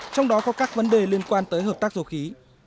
trong đó có các vấn đề liên quan tới hợp tác dầu khí